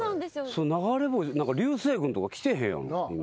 流星群とか来てへんやん。